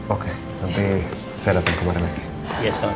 oke nanti saya datang kemarin lagi